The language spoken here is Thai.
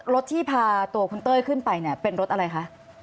รถที่พาตัวคุณเต้ยขึ้นไปเนี่ยเป็นรถอะไรคะ